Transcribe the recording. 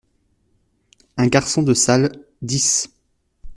Un garçon de salle : dix.